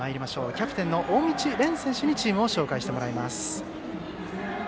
キャプテンの大道蓮選手にチームを紹介してもらいます。